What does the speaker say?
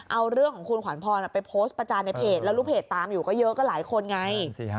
เอาเรื่องของคุณขวัญพรไปโพสต์ประจานในเพจแล้วลูกเพจตามอยู่ก็เยอะก็หลายคนไง